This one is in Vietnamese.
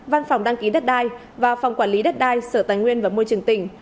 văn phòng đăng ký đất đai và phòng quản lý đất đai sở tài nguyên và môi trường tỉnh